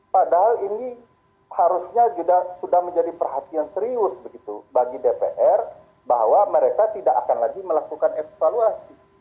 padahal ini harusnya sudah menjadi perhatian serius begitu bagi dpr bahwa mereka tidak akan lagi melakukan evaluasi